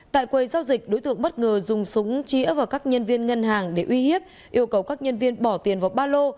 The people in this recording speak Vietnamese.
tại quầy giao dịch đối tượng bất ngờ dùng súng chĩa vào các nhân viên ngân hàng để uy hiếp yêu cầu các nhân viên bỏ tiền vào ba lô